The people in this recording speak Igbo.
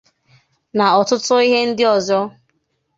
na ọtụtụ ihe ndị ọzọ